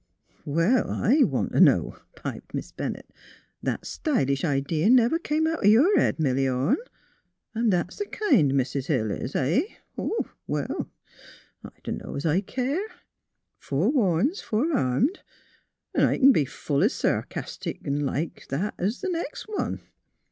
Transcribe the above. "^' Well; I want t' know! " piped Miss Bennett. *' That stylish idee never came out o' your head, Milly Orne. .. .An' that's th' kind Mis' Hill is, huh? "Well, I dunno 's I keer; forewarned 's forearmed; 'n' I c'n be full es sarcastic 'n' like that es th' next one.